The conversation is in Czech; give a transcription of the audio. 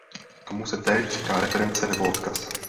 Tomu se též říká reference nebo odkaz.